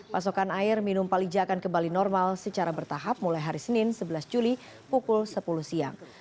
pasokan air minum palija akan kembali normal secara bertahap mulai hari senin sebelas juli pukul sepuluh siang